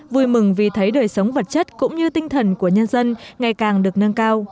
vui mừng vì thấy đời sống vật chất cũng như tinh thần của nhân dân ngày càng được nâng cao